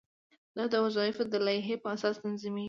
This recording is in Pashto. دا د وظایفو د لایحې په اساس تنظیمیږي.